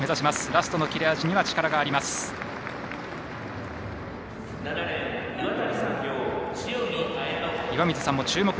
ラストの切れ味には力がある卜部。